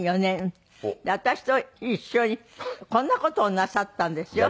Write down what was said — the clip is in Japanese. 私と一緒にこんな事をなさったんですよ。